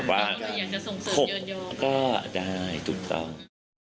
ที่แบบว่าหุบก็ได้ถูกต้อง